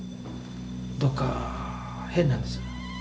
どこか変なんです。